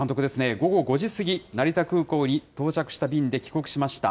午後５時過ぎ、成田空港に到着した便で帰国しました。